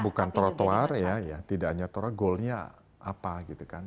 bukan trotoar ya ya tidak hanya trotoar goalnya apa gitu kan